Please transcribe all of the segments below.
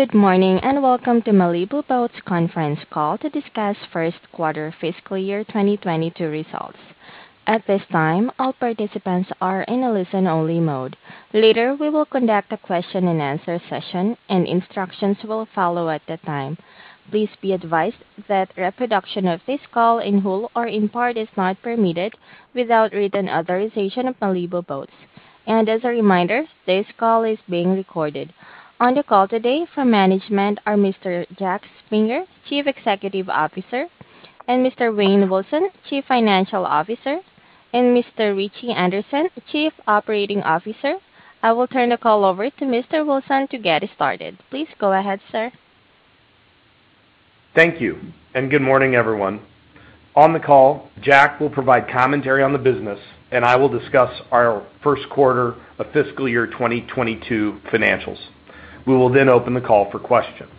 Good morning, and welcome to Malibu Boats conference call to discuss first quarter fiscal year 2022 results. At this time, all participants are in a listen-only mode. Later, we will conduct a question-and-answer session, and instructions will follow at the time. Please be advised that reproduction of this call in whole or in part is not permitted without written authorization of Malibu Boats. As a reminder, this call is being recorded. On the call today from management are Mr. Jack Springer, Chief Executive Officer, and Mr. Wayne Wilson, Chief Financial Officer, and Mr. Ritchie Anderson, Chief Operating Officer. I will turn the call over to Mr. Wilson to get started. Please go ahead, sir. Thank you, and good morning, everyone. On the call, Jack will provide commentary on the business, and I will discuss our first quarter of fiscal year 2022 financials. We will then open the call for questions.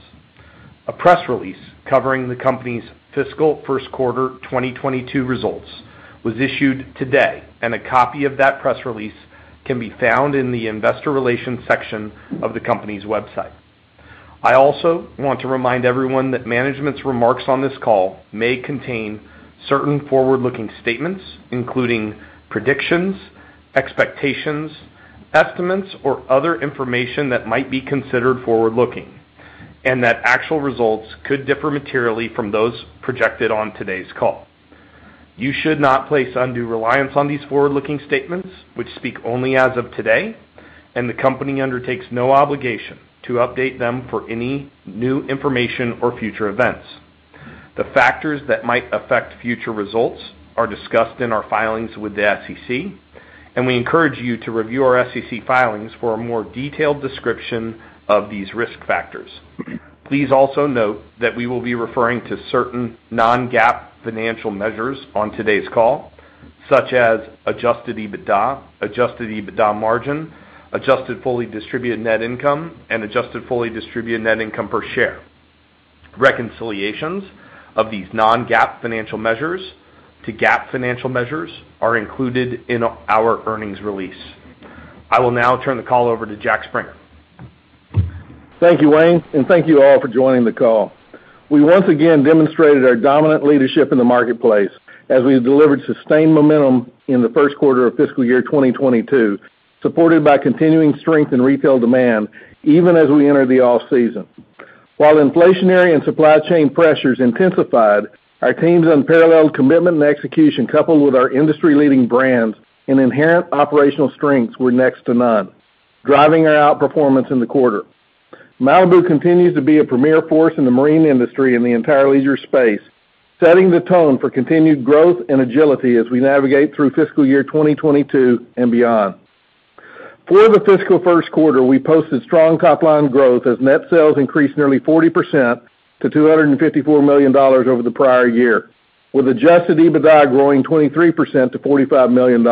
A press release covering the company's fiscal first quarter 2022 results was issued today, and a copy of that press release can be found in the investor relations section of the company's website. I also want to remind everyone that management's remarks on this call may contain certain forward-looking statements, including predictions, expectations, estimates, or other information that might be considered forward-looking, and that actual results could differ materially from those projected on today's call. You should not place undue reliance on these forward-looking statements, which speak only as of today, and the company undertakes no obligation to update them for any new information or future events. The factors that might affect future results are discussed in our filings with the SEC, and we encourage you to review our SEC filings for a more detailed description of these risk factors. Please also note that we will be referring to certain non-GAAP financial measures on today's call, such as adjusted EBITDA, adjusted EBITDA margin, adjusted fully distributed net income, and adjusted fully distributed net income per share. Reconciliations of these non-GAAP financial measures to GAAP financial measures are included in our earnings release. I will now turn the call over to Jack Springer. Thank you, Wayne, and thank you all for joining the call. We once again demonstrated our dominant leadership in the marketplace as we delivered sustained momentum in the first quarter of fiscal year 2022, supported by continuing strength in retail demand, even as we enter the off-season. While inflationary and supply chain pressures intensified, our team's unparalleled commitment and execution, coupled with our industry-leading brands and inherent operational strengths, were second to none, driving our outperformance in the quarter. Malibu continues to be a premier force in the marine industry and the entire leisure space, setting the tone for continued growth and agility as we navigate through fiscal year 2022 and beyond. For the fiscal first quarter, we posted strong top-line growth as net sales increased nearly 40% to $254 million over the prior year, with adjusted EBITDA growing 23% to $45 million.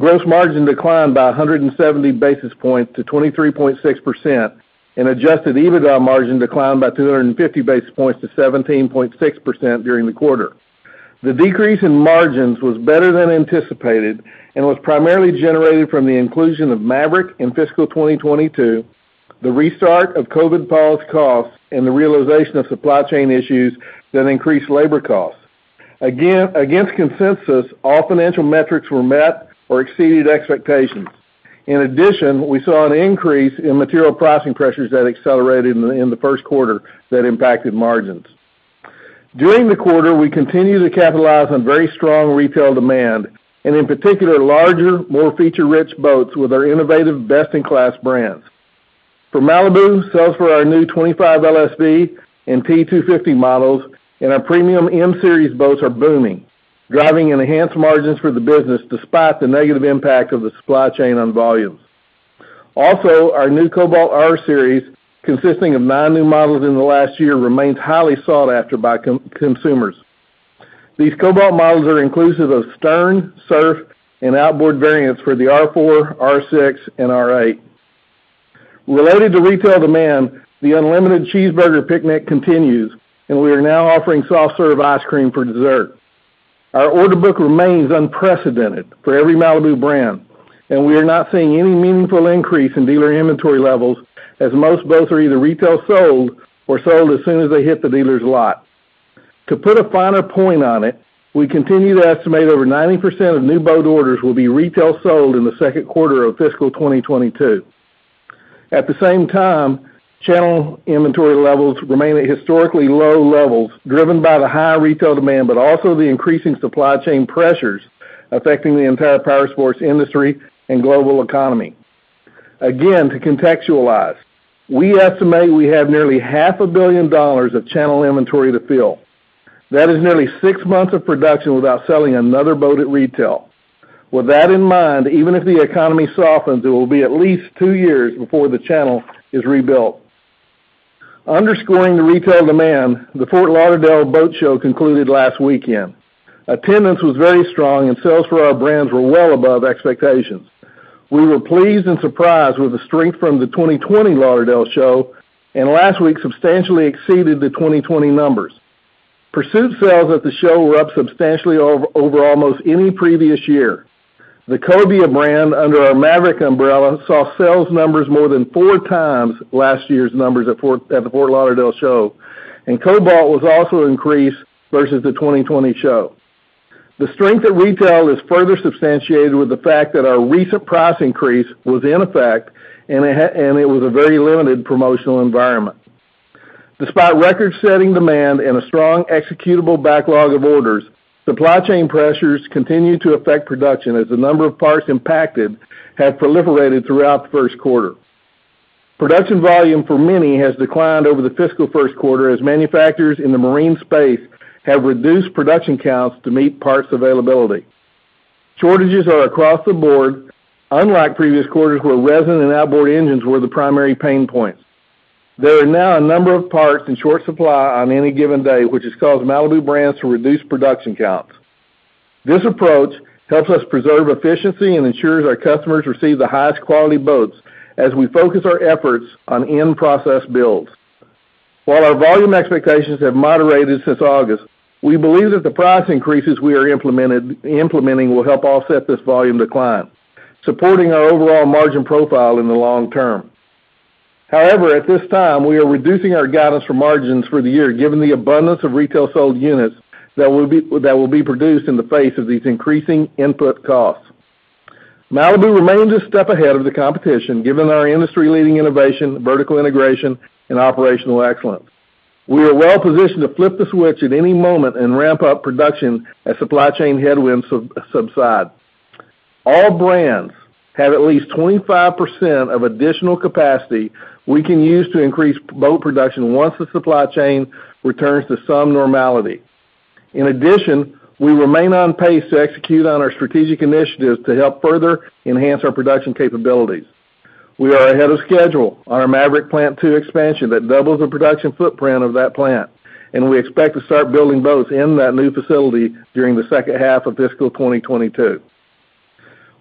Gross margin declined by 170 basis points to 23.6% and adjusted EBITDA margin declined by 250 basis points to 17.6% during the quarter. The decrease in margins was better than anticipated and was primarily generated from the inclusion of Maverick in fiscal 2022, the restart of COVID paused costs, and the realization of supply chain issues that increased labor costs. Against consensus, all financial metrics were met or exceeded expectations. In addition, we saw an increase in material pricing pressures that accelerated in the first quarter that impacted margins. During the quarter, we continued to capitalize on very strong retail demand, and in particular, larger, more feature-rich boats with our innovative best-in-class brands. For Malibu, sales for our new 25 LSV and T250 models and our premium M Series boats are booming, driving enhanced margins for the business despite the negative impact of the supply chain on volumes. Also, our new Cobalt R Series, consisting of nine new models in the last year, remains highly sought after by consumers. These Cobalt models are inclusive of sterndrive, surf, and outboard variants for the R4, R6, and R8. Related to retail demand, the unlimited cheeseburger picnic continues, and we are now offering soft serve ice cream for dessert. Our order book remains unprecedented for every Malibu brand, and we are not seeing any meaningful increase in dealer inventory levels, as most boats are either retail sold or sold as soon as they hit the dealer's lot. To put a finer point on it, we continue to estimate over 90% of new boat orders will be retail sold in the second quarter of fiscal 2022. At the same time, channel inventory levels remain at historically low levels, driven by the high retail demand, but also the increasing supply chain pressures affecting the entire powersports industry and global economy. Again, to contextualize, we estimate we have nearly half a billion dollars of channel inventory to fill. That is nearly six months of production without selling another boat at retail. With that in mind, even if the economy softens, it will be at least two years before the channel is rebuilt. Underscoring the retail demand, the Fort Lauderdale Boat Show concluded last weekend. Attendance was very strong, and sales for our brands were well above expectations. We were pleased and surprised with the strength from the 2020 Lauderdale show, and last week substantially exceeded the 2020 numbers. Pursuit sales at the show were up substantially over almost any previous year. The Cobia brand under our Maverick umbrella saw sales numbers more than 4x last year's numbers at the Fort Lauderdale show, and Cobalt was also increased versus the 2020 show. The strength at retail is further substantiated with the fact that our recent price increase was in effect, and it was a very limited promotional environment. Despite record-setting demand and a strong executable backlog of orders, supply chain pressures continued to affect production as the number of parts impacted have proliferated throughout the first quarter. Production volume for many has declined over the fiscal first quarter as manufacturers in the marine space have reduced production counts to meet parts availability. Shortages are across the board, unlike previous quarters, where resin and outboard engines were the primary pain points. There are now a number of parts in short supply on any given day, which has caused Malibu Brands to reduce production counts. This approach helps us preserve efficiency and ensures our customers receive the highest quality boats as we focus our efforts on in-process builds. While our volume expectations have moderated since August, we believe that the price increases we are implementing will help offset this volume decline, supporting our overall margin profile in the long term. However, at this time, we are reducing our guidance for margins for the year, given the abundance of retail sold units that will be produced in the face of these increasing input costs. Malibu remains a step ahead of the competition, given our industry-leading innovation, vertical integration, and operational excellence. We are well-positioned to flip the switch at any moment and ramp up production as supply chain headwinds subside. All brands have at least 25% of additional capacity we can use to increase boat production once the supply chain returns to some normality. In addition, we remain on pace to execute on our strategic initiatives to help further enhance our production capabilities. We are ahead of schedule on our Maverick Plant Two expansion that doubles the production footprint of that plant, and we expect to start building boats in that new facility during the second half of fiscal 2022.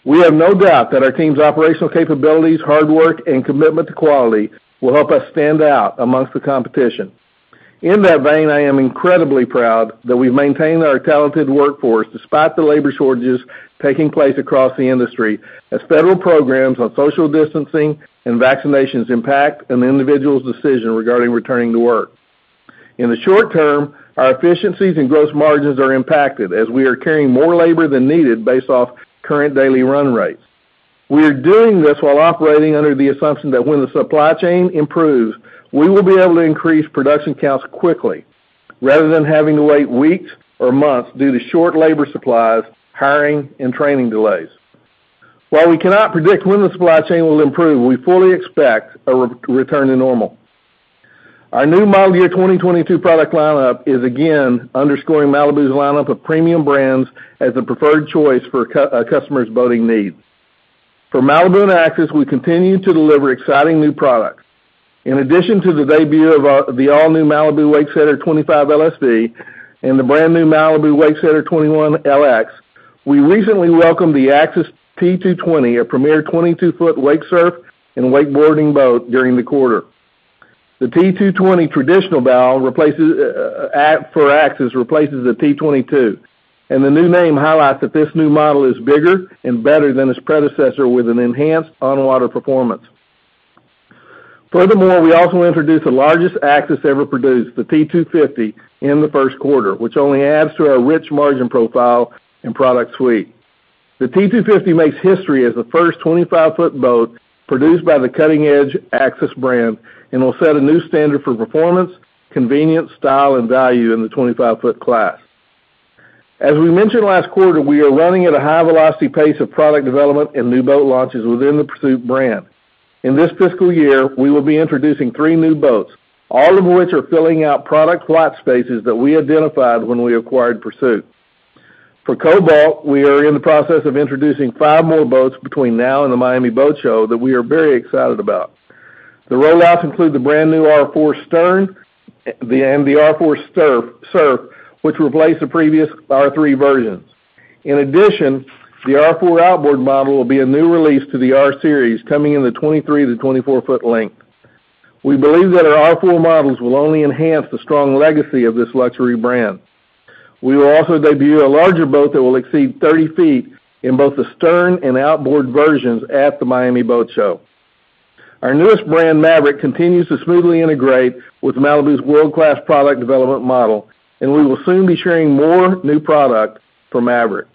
We have no doubt that our team's operational capabilities, hard work, and commitment to quality will help us stand out among the competition. In that vein, I am incredibly proud that we've maintained our talented workforce despite the labor shortages taking place across the industry, as federal programs on social distancing and vaccinations impact an individual's decision regarding returning to work. In the short term, our efficiencies and gross margins are impacted as we are carrying more labor than needed based off current daily run rates. We are doing this while operating under the assumption that when the supply chain improves, we will be able to increase production counts quickly rather than having to wait weeks or months due to short labor supplies, hiring, and training delays. While we cannot predict when the supply chain will improve, we fully expect a return to normal. Our new model year 2022 product lineup is again underscoring Malibu's lineup of premium brands as the preferred choice for a customer's boating needs. For Malibu and Axis, we continue to deliver exciting new products. In addition to the debut of our all-new Malibu Wakesetter 25 LSV and the brand-new Malibu Wakesetter 21 LX, we recently welcomed the Axis T220, a premier 22-foot wake surf and wakeboarding boat during the quarter. The T220 traditional bow replaces the T22, and the new name highlights that this new model is bigger and better than its predecessor with an enhanced on-water performance. Furthermore, we also introduced the largest Axis ever produced, the T250, in the first quarter, which only adds to our rich margin profile and product suite. The T250 makes history as the first 25-foot boat produced by the cutting-edge Axis brand and will set a new standard for performance, convenience, style, and value in the 25-foot class. As we mentioned last quarter, we are running at a high velocity pace of product development and new boat launches within the Pursuit brand. In this fiscal year, we will be introducing three new boats, all of which are filling out product white spaces that we identified when we acquired Pursuit. For Cobalt, we are in the process of introducing five more boats between now and the Miami Boat Show that we are very excited about. The rollouts include the brand-new R4 Sterndrive and the R4 Surf, which replace the previous R3 versions. In addition, the R4 Outboard model will be a new release to the R Series coming in the 23- to 24-foot length. We believe that our R4 models will only enhance the strong legacy of this luxury brand. We will also debut a larger boat that will exceed 30 feet in both the sterndrive and outboard versions at the Miami Boat Show. Our newest brand, Maverick, continues to smoothly integrate with Malibu's world-class product development model, and we will soon be sharing more new product for Maverick.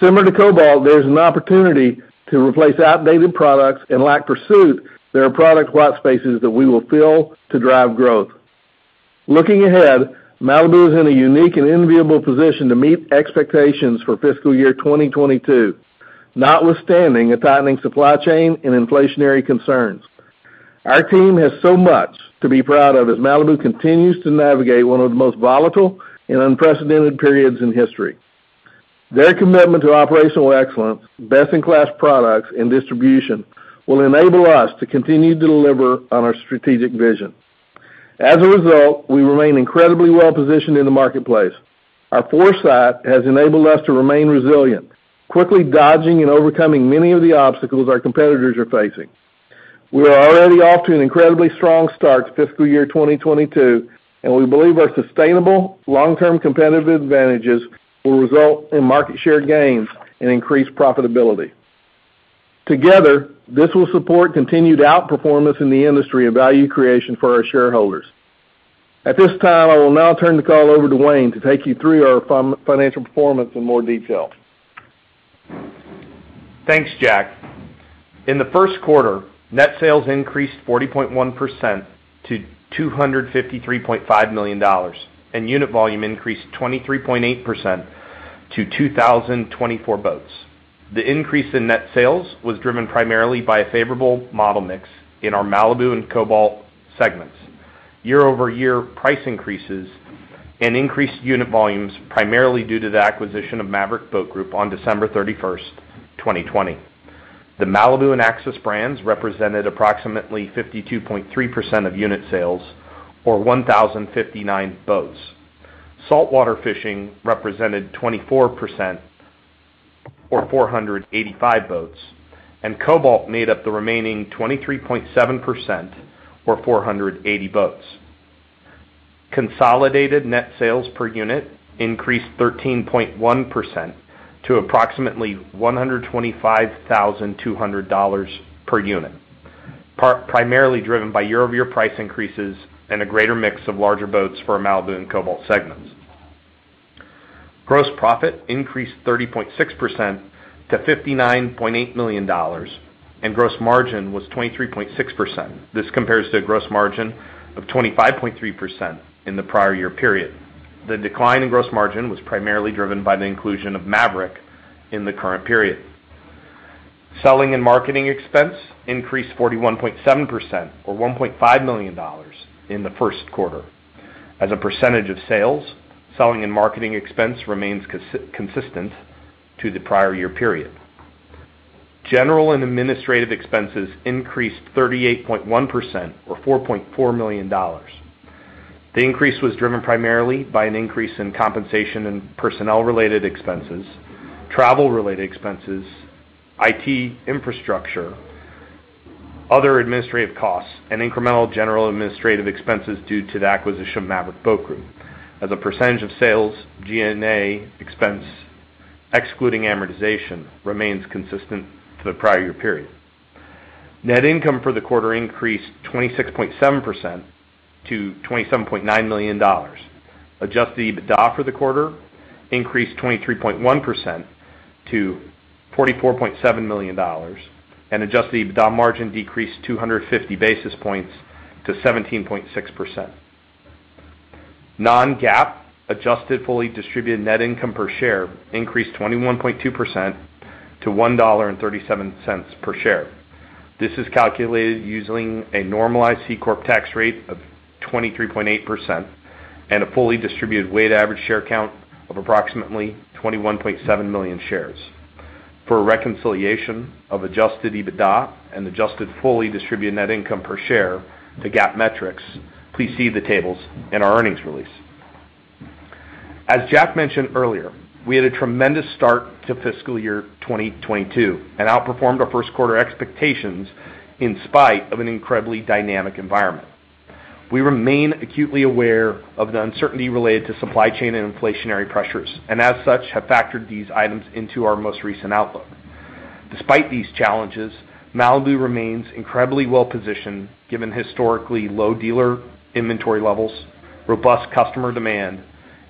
Similar to Cobalt, there's an opportunity to replace outdated products and like Pursuit, there are product white spaces that we will fill to drive growth. Looking ahead, Malibu is in a unique and enviable position to meet expectations for fiscal year 2022, notwithstanding a tightening supply chain and inflationary concerns. Our team has so much to be proud of as Malibu continues to navigate one of the most volatile and unprecedented periods in history. Their commitment to operational excellence, best-in-class products, and distribution will enable us to continue to deliver on our strategic vision. As a result, we remain incredibly well-positioned in the marketplace. Our foresight has enabled us to remain resilient, quickly dodging and overcoming many of the obstacles our competitors are facing. We are already off to an incredibly strong start to fiscal year 2022, and we believe our sustainable long-term competitive advantages will result in market share gains and increased profitability. Together, this will support continued outperformance in the industry and value creation for our shareholders. At this time, I will now turn the call over to Wayne to take you through our financial performance in more detail. Thanks, Jack. In the first quarter, net sales increased 40.1% to $253.5 million, and unit volume increased 23.8% to 2,024 boats. The increase in net sales was driven primarily by a favorable model mix in our Malibu and Cobalt segments, year-over-year price increases, and increased unit volumes, primarily due to the acquisition of Maverick Boat Group on December 31st, 2020. The Malibu and Axis brands represented approximately 52.3% of unit sales or 1,059 boats. Saltwater Fishing represented 24%, or 485 boats, and Cobalt made up the remaining 23.7%, or 480 boats. Consolidated net sales per unit increased 13.1% to approximately $125,200 per unit, primarily driven by year-over-year price increases and a greater mix of larger boats for Malibu and Cobalt segments. Gross profit increased 30.6% to $59.8 million, and gross margin was 23.6%. This compares to a gross margin of 25.3% in the prior year period. The decline in gross margin was primarily driven by the inclusion of Maverick in the current period. Selling and marketing expense increased 41.7% or $1.5 million in the first quarter. As a percentage of sales, selling and marketing expense remains consistent to the prior year period. General and administrative expenses increased 38.1% or $4.4 million. The increase was driven primarily by an increase in compensation and personnel-related expenses, travel-related expenses, IT infrastructure, other administrative costs, and incremental general administrative expenses due to the acquisition of Maverick Boat Group. As a percentage of sales, G&A expense, excluding amortization, remains consistent to the prior year period. Net income for the quarter increased 26.7% to $27.9 million. Adjusted EBITDA for the quarter increased 23.1% to $44.7 million, and adjusted EBITDA margin decreased 250 basis points to 17.6%. Non-GAAP adjusted fully distributed net income per share increased 21.2% to $1.37 per share. This is calculated using a normalized C Corp tax rate of 23.8% and a fully distributed weighted average share count of approximately 21.7 million shares. For a reconciliation of adjusted EBITDA and adjusted fully distributed net income per share to GAAP metrics, please see the tables in our earnings release. As Jack mentioned earlier, we had a tremendous start to fiscal year 2022 and outperformed our first quarter expectations in spite of an incredibly dynamic environment. We remain acutely aware of the uncertainty related to supply chain and inflationary pressures and as such, have factored these items into our most recent outlook. Despite these challenges, Malibu remains incredibly well positioned given historically low dealer inventory levels, robust customer demand,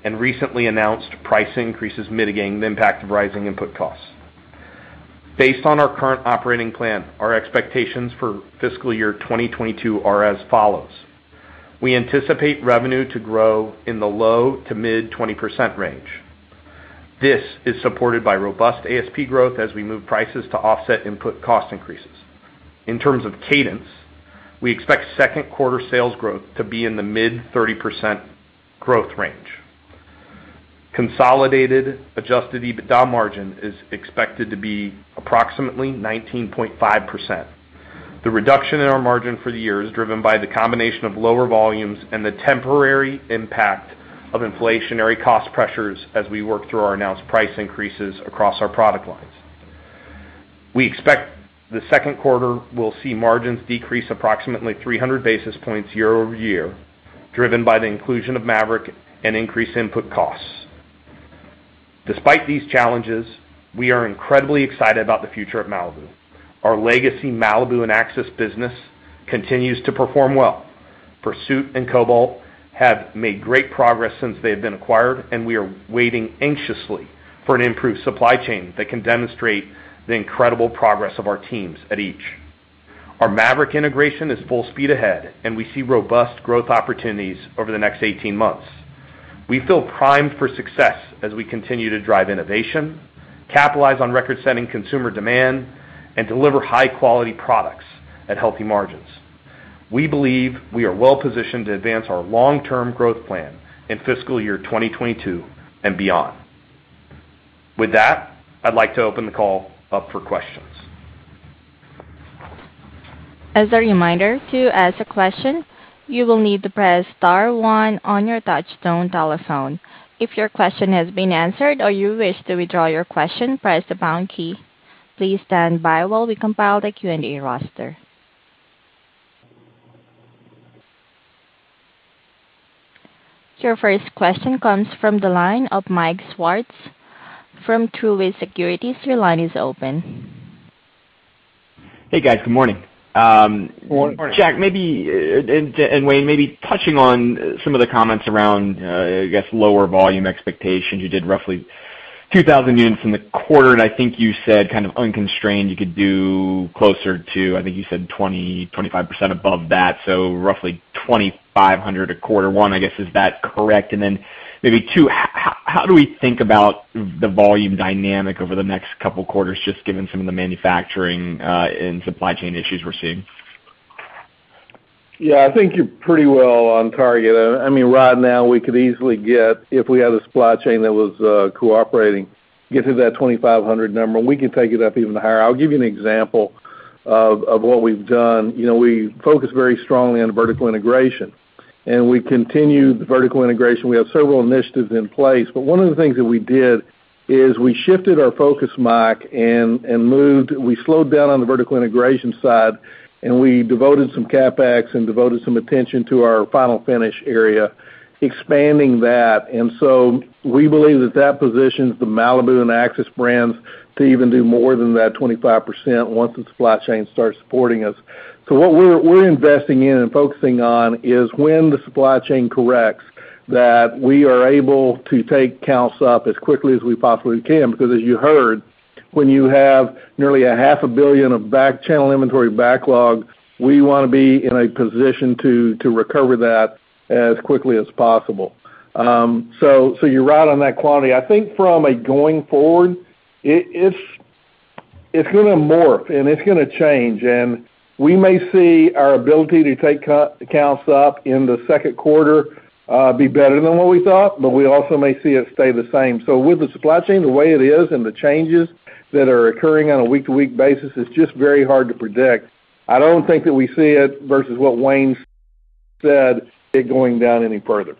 and recently announced price increases mitigating the impact of rising input costs. Based on our current operating plan, our expectations for fiscal year 2022 are as follows. We anticipate revenue to grow in the low-to-mid 20% range. This is supported by robust ASP growth as we move prices to offset input cost increases. In terms of cadence, we expect second quarter sales growth to be in the mid-30% growth range. Consolidated adjusted EBITDA margin is expected to be approximately 19.5%. The reduction in our margin for the year is driven by the combination of lower volumes and the temporary impact of inflationary cost pressures as we work through our announced price increases across our product lines. We expect the second quarter will see margins decrease approximately 300 basis points year-over-year, driven by the inclusion of Maverick and increased input costs. Despite these challenges, we are incredibly excited about the future of Malibu. Our legacy Malibu and Axis business continues to perform well. Pursuit and Cobalt have made great progress since they have been acquired, and we are waiting anxiously for an improved supply chain that can demonstrate the incredible progress of our teams at each. Our Maverick integration is full speed ahead, and we see robust growth opportunities over the next 18 months. We feel primed for success as we continue to drive innovation, capitalize on record-setting consumer demand, and deliver high-quality products at healthy margins. We believe we are well-positioned to advance our long-term growth plan in fiscal year 2022 and beyond. With that, I'd like to open the call up for questions. As a reminder, to ask a question you will need to press star one on your touchtone telephone. If your question has been answered or you wish to withdraw your question, press the pound key. Please stand by while we compile the Q&A roster. Your first question comes from the line of Mike Swartz from Truist Securities. Your line is open. Hey, guys. Good morning. Good morning. Jack, maybe and Wayne, maybe touching on some of the comments around, I guess lower volume expectations. You did roughly 2,000 units in the quarter, and I think you said kind of unconstrained you could do closer to, I think you said 20%-25% above that, so roughly 2,500 a quarter. One, I guess, is that correct? And then maybe two, how do we think about the volume dynamic over the next couple quarters just given some of the manufacturing and supply chain issues we're seeing? Yeah. I think you're pretty well on target. I mean, right now, we could easily get, if we had a supply chain that was cooperating, get to that 2,500 number, and we can take it up even higher. I'll give you an example of what we've done. You know, we focus very strongly on vertical integration, and we continue the vertical integration. We have several initiatives in place, but one of the things that we did is we shifted our focus, Mike, and we slowed down on the vertical integration side, and we devoted some CapEx and devoted some attention to our final finish area, expanding that. We believe that that positions the Malibu and Axis brands to even do more than that 25% once the supply chain starts supporting us. What we're investing in and focusing on is when the supply chain corrects, that we are able to take unit counts up as quickly as we possibly can because as you heard, when you have nearly half a billion of channel inventory backlog, we wanna be in a position to recover that as quickly as possible. You're right on that quantity. I think from a going forward, it's gonna morph, and it's gonna change. We may see our ability to take unit counts up in the second quarter be better than what we thought, but we also may see it stay the same. With the supply chain the way it is and the changes that are occurring on a week-to-week basis, it's just very hard to predict. I don't think that we see it versus what Wayne said, it going down any further.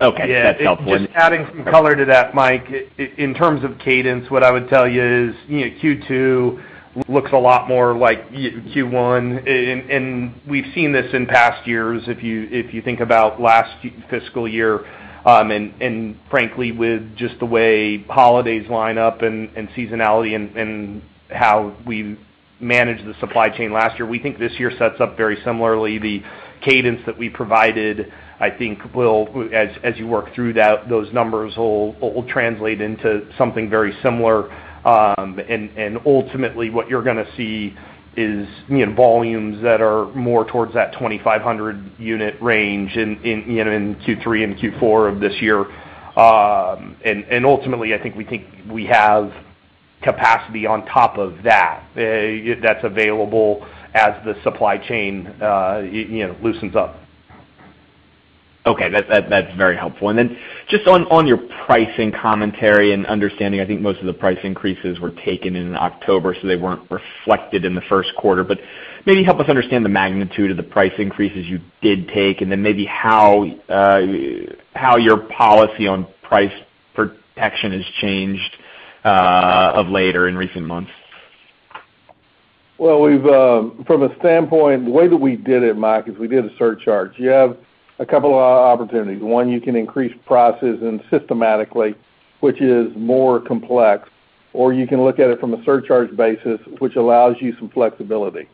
Okay. That's helpful. Yeah. Just adding some color to that, Mike. In terms of cadence, what I would tell you is, you know, Q2 looks a lot more like Q1. We've seen this in past years if you think about last fiscal year, and frankly with just the way holidays line up and seasonality and how we managed the supply chain last year. We think this year sets up very similarly. The cadence that we provided, I think, will, as you work through that, those numbers will translate into something very similar. Ultimately what you're gonna see is, you know, volumes that are more towards that 2,500 unit range in Q3 and Q4 of this year. Ultimately, I think we have capacity on top of that that's available as the supply chain, you know, loosens up. Okay. That's very helpful. Then just on your pricing commentary and understanding, I think most of the price increases were taken in October, so they weren't reflected in the first quarter. Maybe help us understand the magnitude of the price increases you did take and then maybe how your policy on price protection has changed of late in recent months. Well, we've from a standpoint, the way that we did it, Mike, is we did a surcharge. You have a couple opportunities. One, you can increase prices systematically, which is more complex, or you can look at it from a surcharge basis, which allows you some flexibility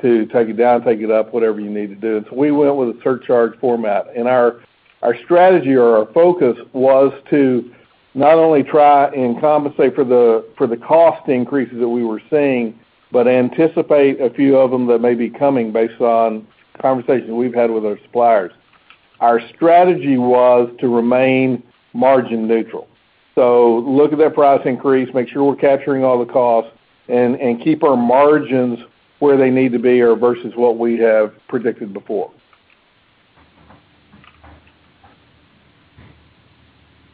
to take it down, take it up, whatever you need to do. We went with a surcharge format. Our strategy or our focus was to not only try and compensate for the cost increases that we were seeing but anticipate a few of them that may be coming based on conversations we've had with our suppliers. Our strategy was to remain margin neutral. Look at that price increase, make sure we're capturing all the costs, and keep our margins where they need to be or versus what we have predicted before.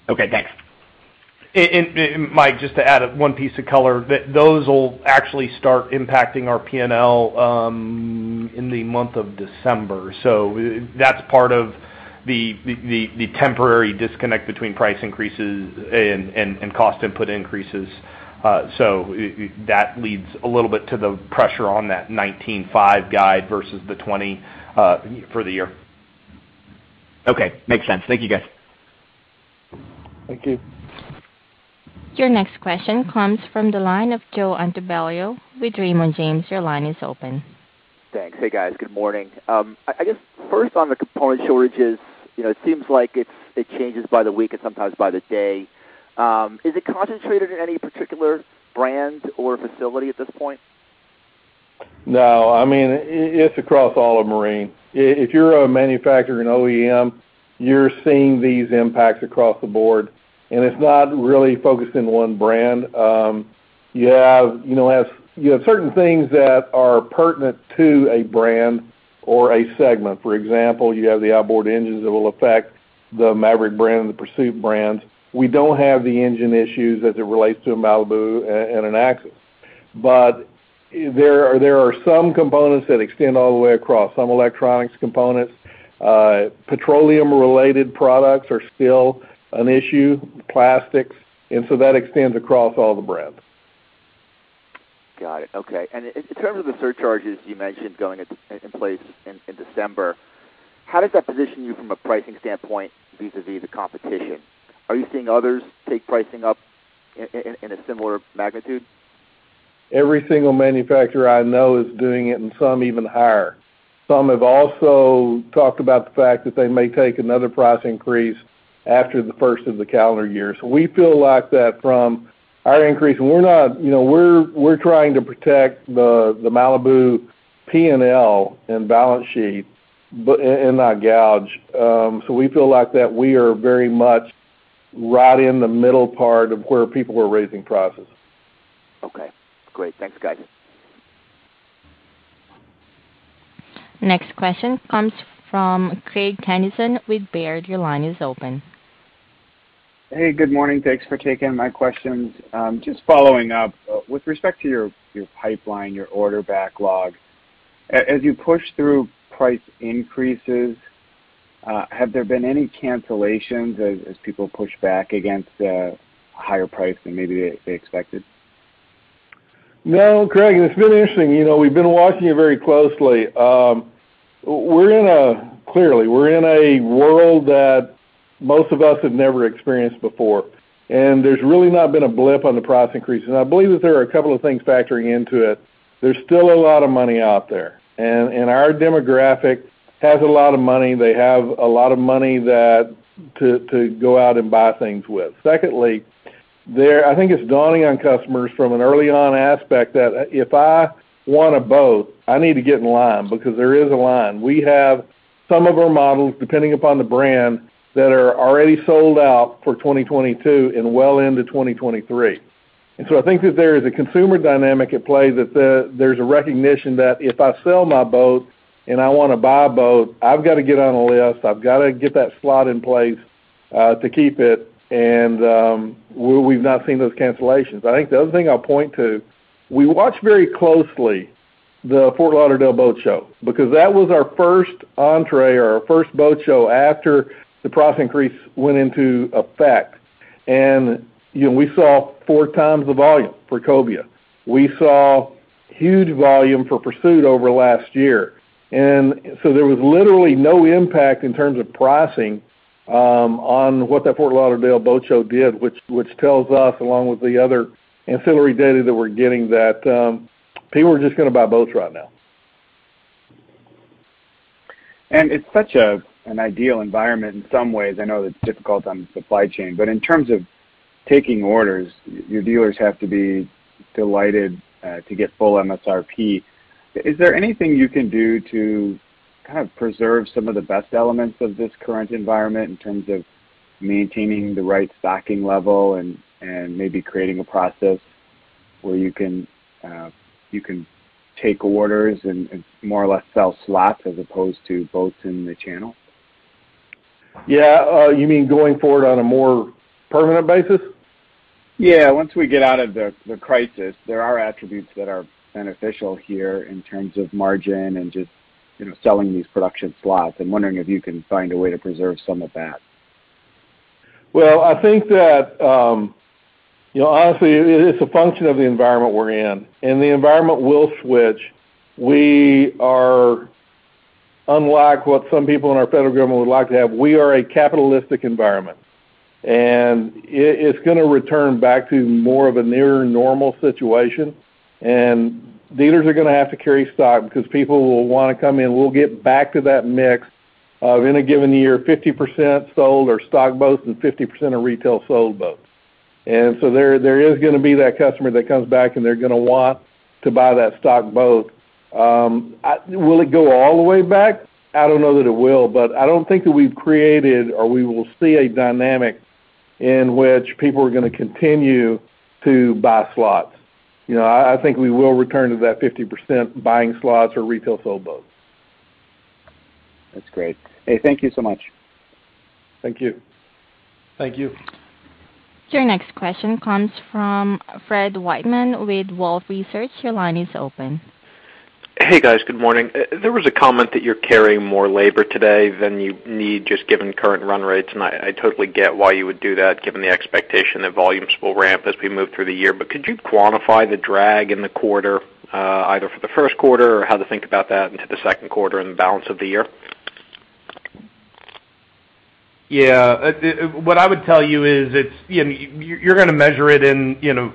Okay, thanks. Mike, just to add one piece of color, those will actually start impacting our P&L in the month of December. That's part of the temporary disconnect between price increases and cost input increases. That leads a little bit to the pressure on that $19.5 guide versus the $20 for the year. Okay. Makes sense. Thank you, guys. Thank you. Your next question comes from the line of Joe Altobello with Raymond James. Your line is open. Thanks. Hey, guys. Good morning. I guess first on the component shortages, you know, it seems like it changes by the week and sometimes by the day. Is it concentrated in any particular brand or facility at this point? No. I mean, it's across all of marine. If you're a manufacturer in OEM, you're seeing these impacts across the board, and it's not really focused in one brand. You have certain things that are pertinent to a brand or a segment. For example, you have the outboard engines that will affect the Maverick brand and the Pursuit brands. We don't have the engine issues as it relates to a Malibu and an Axis. There are some components that extend all the way across, some electronics components. Petroleum-related products are still an issue, plastics, and so that extends across all the brands. Got it. Okay. In terms of the surcharges you mentioned going in place in December, how does that position you from a pricing standpoint vis-à-vis the competition? Are you seeing others take pricing up in a similar magnitude? Every single manufacturer I know is doing it, and some even higher. Some have also talked about the fact that they may take another price increase after the first of the calendar year. We feel like that from our increase, and we're not, you know, trying to protect the Malibu P&L and balance sheet, but, and not gouge. We feel like that we are very much right in the middle part of where people are raising prices. Okay, great. Thanks guys. Next question comes from Craig Kennison with Baird. Your line is open. Hey, good morning. Thanks for taking my questions. Just following up. With respect to your pipeline, your order backlog, as you push through price increases, have there been any cancellations as people push back against the higher price than maybe they expected? No, Craig, and it's been interesting. You know, we've been watching it very closely. Clearly, we're in a world that most of us have never experienced before, and there's really not been a blip on the price increase. I believe that there are a couple of things factoring into it. There's still a lot of money out there. Our demographic has a lot of money. They have a lot of money to go out and buy things with. Secondly, I think it's dawning on customers from an early on aspect that, if I want a boat, I need to get in line because there is a line. We have some of our models, depending upon the brand, that are already sold out for 2022 and well into 2023. I think that there is a consumer dynamic at play, that there's a recognition that if I sell my boat and I wanna buy a boat, I've gotta get on a list. I've gotta get that slot in place to keep it, and we've not seen those cancellations. I think the other thing I'll point to, we watch very closely the Fort Lauderdale Boat Show because that was our first entry or our first boat show after the price increase went into effect. You know, we saw 4x the volume for Cobia. We saw huge volume for Pursuit over last year. There was literally no impact in terms of pricing on what that Fort Lauderdale Boat Show did, which tells us, along with the other ancillary data that we're getting, that people are just gonna buy boats right now. It's such an ideal environment in some ways. I know it's difficult on the supply chain. In terms of taking orders, your dealers have to be delighted to get full MSRP. Is there anything you can do to kind of preserve some of the best elements of this current environment in terms of maintaining the right stocking level and maybe creating a process where you can take orders and more or less sell slots as opposed to boats in the channel? Yeah. You mean going forward on a more permanent basis? Yeah. Once we get out of the crisis, there are attributes that are beneficial here in terms of margin and just, you know, selling these production slots. I'm wondering if you can find a way to preserve some of that. Well, I think that, honestly it is a function of the environment we're in, and the environment will switch. We are, unlike what some people in our federal government would like to have, we are a capitalistic environment. It's gonna return back to more of a nearer normal situation, and dealers are gonna have to carry stock because people will wanna come in. We'll get back to that mix of, in a given year, 50% sold or stock boats and 50% of retail sold boats. There is gonna be that customer that comes back, and they're gonna want to buy that stock boat. Will it go all the way back? I don't know that it will, but I don't think that we've created or we will see a dynamic in which people are gonna continue to buy slots. You know, I think we will return to that 50% buying slots or retail sold boats. That's great. Hey, thank you so much. Thank you. Your next question comes from Fred Wightman with Wolfe Research. Your line is open. Hey, guys. Good morning. There was a comment that you're carrying more labor today than you need just given current run rates, and I totally get why you would do that given the expectation that volumes will ramp as we move through the year. Could you quantify the drag in the quarter, either for the first quarter or how to think about that into the second quarter and the balance of the year? Yeah. What I would tell you is it's, you know, you're gonna measure it in, you know,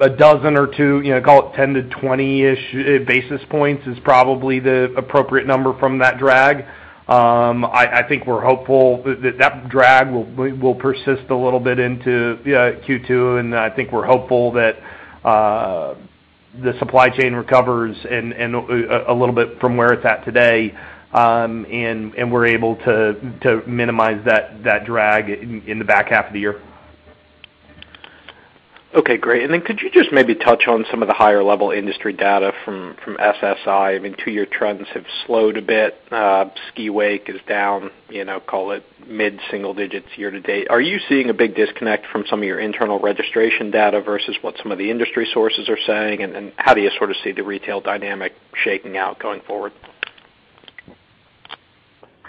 a dozen or two, you know, call it 10-20-ish basis points is probably the appropriate number from that drag. I think we're hopeful that that drag will persist a little bit into Q2, and I think we're hopeful that the supply chain recovers a little bit from where it's at today, and we're able to minimize that drag in the back half of the year. Okay, great. Could you just maybe touch on some of the higher level industry data from SSI? I mean, two-year trends have slowed a bit. Ski wake is down, you know, call it mid-single digits year to date. Are you seeing a big disconnect from some of your internal registration data versus what some of the industry sources are saying? How do you sort of see the retail dynamic shaking out going forward?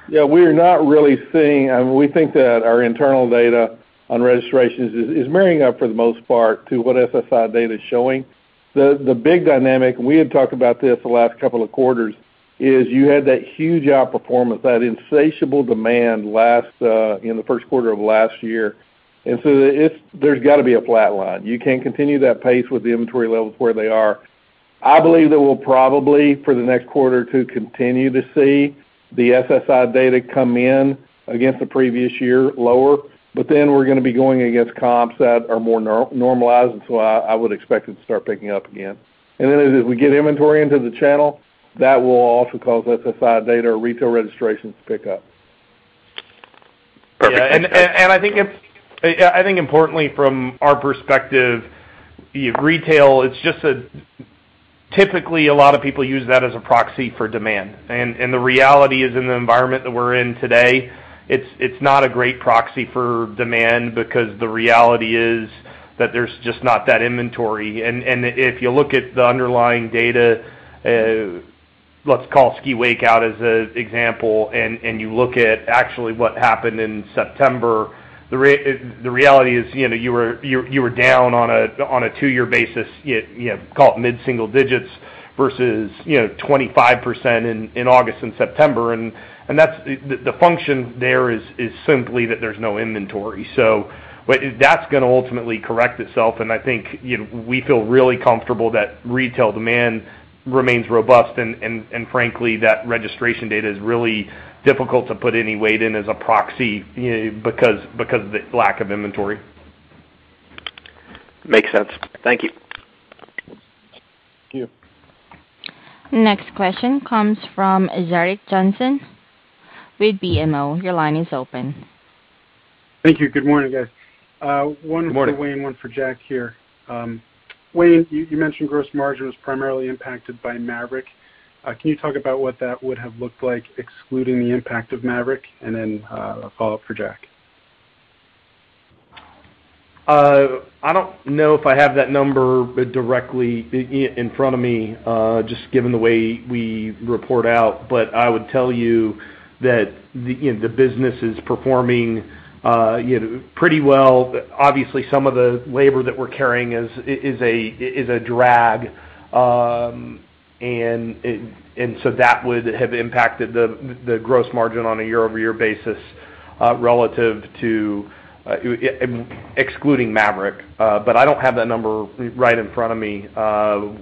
Yeah, we're not really seeing. I mean, we think that our internal data on registrations is marrying up for the most part to what SSI data is showing. The big dynamic, we had talked about this the last couple of quarters, is you had that huge outperformance, that insatiable demand last in the first quarter of last year. There's gotta be a flat line. You can't continue that pace with the inventory levels where they are. I believe that we'll probably, for the next quarter or two, continue to see the SSI data come in against the previous year lower, but then we're gonna be going against comps that are more normalized, and so I would expect it to start picking up again. As we get inventory into the channel, that will also cause SSI data or retail registrations to pick up. Perfect. I think importantly from our perspective, be it retail, it's just that typically, a lot of people use that as a proxy for demand. The reality is in the environment that we're in today, it's not a great proxy for demand because the reality is that there's just not that inventory. If you look at the underlying data, let's call ski/wake out as an example, and you look at actually what happened in September, the reality is, you were down on a two-year basis, call it mid-single digits versus 25% in August and September. That's the function there is simply that there's no inventory. That's gonna ultimately correct itself, and I think, you know, we feel really comfortable that retail demand remains robust. Frankly, that registration data is really difficult to put any weight in as a proxy, you know, because of the lack of inventory. Makes sense. Thank you. Thank you. Next question comes from Gerrick Johnson with BMO. Your line is open. Thank you. Good morning, guys. Good morning. One for Wayne, one for Jack here. Wayne, you mentioned gross margin was primarily impacted by Maverick. Can you talk about what that would have looked like excluding the impact of Maverick? Then, a follow-up for Jack. I don't know if I have that number directly in front of me, just given the way we report out. I would tell you that the, you know, the business is performing, you know, pretty well. Obviously, some of the labor that we're carrying is a drag. And so that would have impacted the gross margin on a year-over-year basis, relative to excluding Maverick. But I don't have that number right in front of me.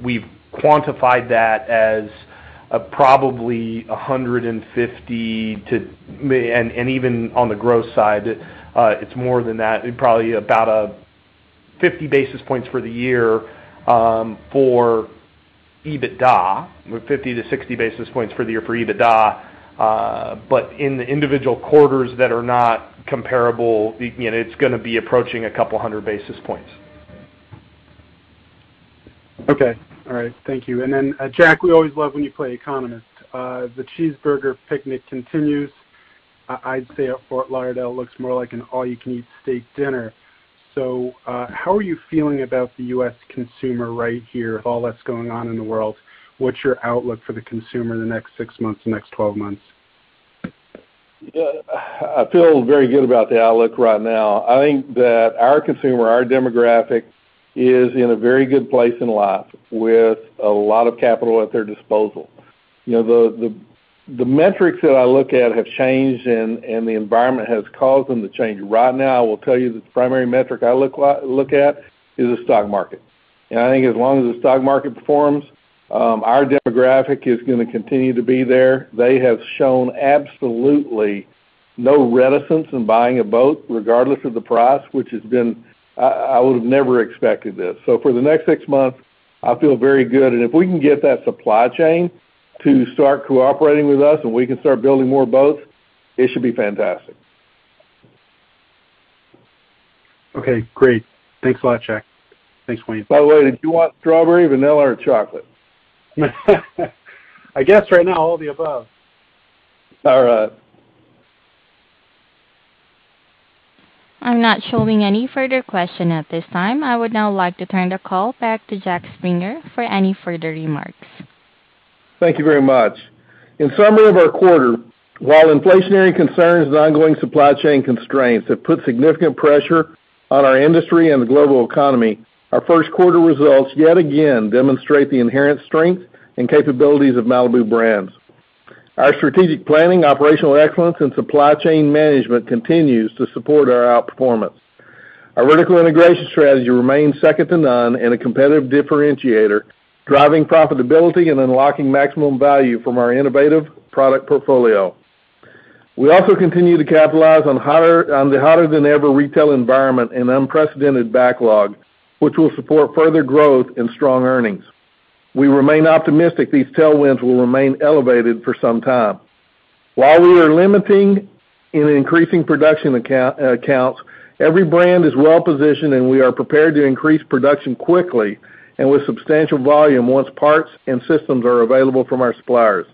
We've quantified that as probably 150 to... Even on the gross side, it's more than that. Probably about 50 basis points for the year for EBITDA, with 50-60 basis points for the year for EBITDA. In the individual quarters that are not comparable, you know, it's gonna be approaching 200 basis points. Okay. All right. Thank you. Jack, we always love when you play economist. The cheeseburger picnic continues. I'd say Fort Lauderdale looks more like an all-you-can-eat steak dinner. How are you feeling about the U.S. consumer right here with all that's going on in the world? What's your outlook for the consumer in the next six months, the next 12 months? Yeah. I feel very good about the outlook right now. I think that our consumer, our demographic is in a very good place in life with a lot of capital at their disposal. You know, the metrics that I look at have changed and the environment has caused them to change. Right now, I will tell you that the primary metric I look at is the stock market. I think as long as the stock market performs, our demographic is gonna continue to be there. They have shown absolutely no reticence in buying a boat regardless of the price, which has been. I would've never expected this. For the next six months, I feel very good. If we can get that supply chain to start cooperating with us, and we can start building more boats, it should be fantastic. Okay, great. Thanks a lot, Jack. Thanks, Wayne. By the way, did you want strawberry, vanilla or chocolate? I guess right now, all the above. All right. I'm not showing any further question at this time. I would now like to turn the call back to Jack Springer for any further remarks. Thank you very much. In summary of our quarter, while inflationary concerns and ongoing supply chain constraints have put significant pressure on our industry and the global economy, our first quarter results yet again demonstrate the inherent strength and capabilities of Malibu Boats. Our strategic planning, operational excellence and supply chain management continues to support our outperformance. Our vertical integration strategy remains second to none and a competitive differentiator, driving profitability and unlocking maximum value from our innovative product portfolio. We also continue to capitalize on the hotter than ever retail environment and unprecedented backlog, which will support further growth and strong earnings. We remain optimistic these tailwinds will remain elevated for some time. While we are limiting and increasing production accounts, every brand is well-positioned, and we are prepared to increase production quickly and with substantial volume once parts and systems are available from our suppliers.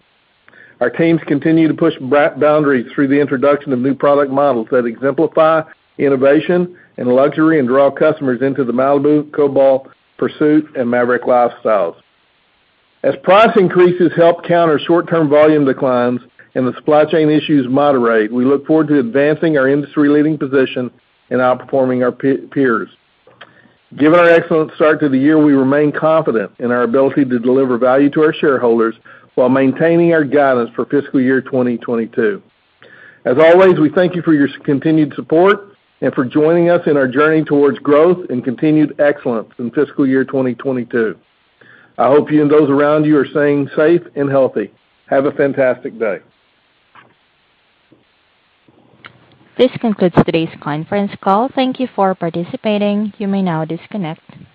Our teams continue to push boundaries through the introduction of new product models that exemplify innovation and luxury and draw customers into the Malibu, Cobalt, Pursuit and Maverick lifestyles. As price increases help counter short-term volume declines and the supply chain issues moderate, we look forward to advancing our industry leading position and outperforming our peers. Given our excellent start to the year, we remain confident in our ability to deliver value to our shareholders while maintaining our guidance for fiscal year 2022. As always, we thank you for your continued support and for joining us in our journey towards growth and continued excellence in fiscal year 2022. I hope you and those around you are staying safe and healthy. Have a fantastic day. This concludes today's conference call. Thank you for participating. You may now disconnect.